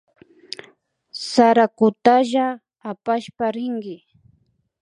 Sarakutalla apashpa rinki